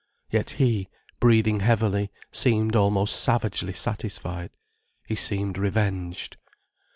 Yet he, breathing heavily, seemed almost savagely satisfied. He seemed revenged.